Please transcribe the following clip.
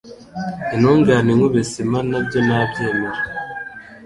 Intungane inkubise impana byo nabyemera